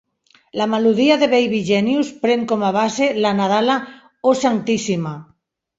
La melodia de "Baby Genius" pren com a base la nadala "O Sanctissima".